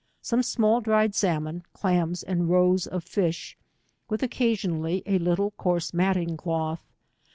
s:ome small dried salmon, clams, and roes of fish, with occasionally a little coarse matting cloth.